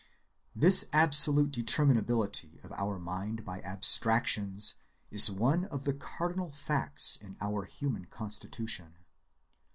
This absolute determinability of our mind by abstractions is one of the cardinal facts in our human constitution.